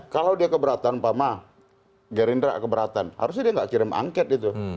kalau dia keberatan gerindra keberatan harusnya dia nggak kirim angket itu